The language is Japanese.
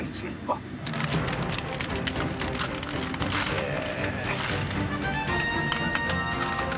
へえ。